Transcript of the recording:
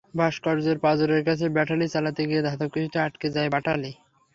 ভাস্কর্যের পাঁজরের কাছে বাটালি চালাতে গিয়ে ধাতব কিছুতে আঁটকে যায় বাটালি।